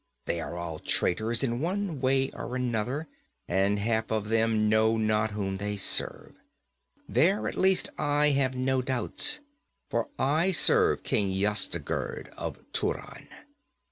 They are all traitors in one way or another, and half of them know not whom they serve. There at least I have no doubts; for I serve King Yezdigerd of Turan.'